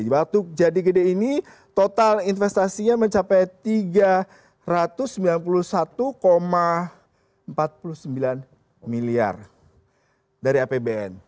waduk jatuh gede ini total investasinya mencapai tiga ratus sembilan puluh satu empat puluh sembilan miliar dari apbn